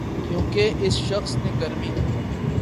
کیونکہ اس شخص نے گرمی